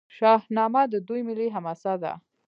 شاهنامه د دوی ملي حماسه ده.